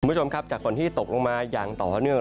คุณผู้ชมครับจากฝนที่ตกลงมาอย่างต่อเนื่อง